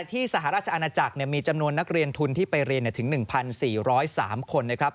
ที่ไปเรียนถึง๑๔๐๓คนนะครับ